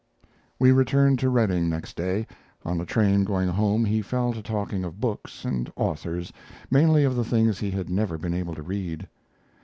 We returned to Redding next day. On the train going home he fell to talking of books and authors, mainly of the things he had never been able to read.